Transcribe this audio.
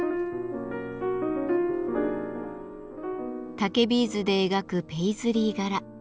竹ビーズで描くペイズリー柄。